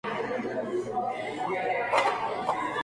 Fue producido por Color-Sonics.